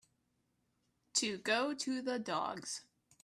To go to the dogs